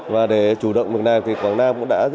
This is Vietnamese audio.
và để chủ động được này thì quảng nam cũng đã rất nhiều